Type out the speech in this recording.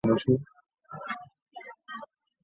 短穗山姜为姜科山姜属下的一个种。